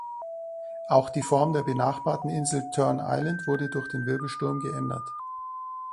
Auch die Form der benachbarten Insel Tern Island wurde durch den Wirbelsturm geändert.